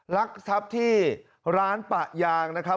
ลักทรัพย์ที่ร้านปะยางนะครับ